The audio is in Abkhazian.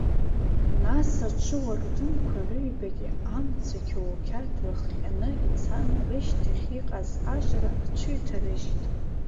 Нас аҽыуардынқәа рыҩбагьы амца қьоуқьад рыхҟьаны ицан, рышьҭахь иҟаз ажра рҽыҩҭарыжьит.